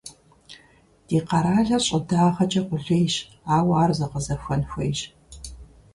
Ди къэралыр щӀыдагъэкӀэ къулейщ, ауэ ар зэгъэзэхуэн хуейщ.